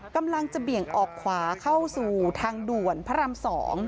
กำลังจะเบี่ยงออกขวาเข้าสู่ทางด่วนพระราม๒